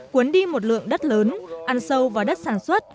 cuốn đi một lượng đất lớn ăn sâu vào đất sản xuất